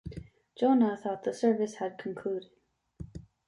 Jonah thought the service had concluded.